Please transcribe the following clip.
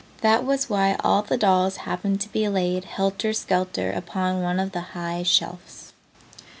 That was why all the dolls happened to be laid helter skelter upon one of the high shelves.